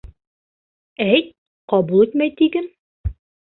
Әйт, ҡабул итмәй, тиген.